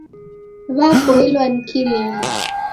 W'apoilwa ni kilimo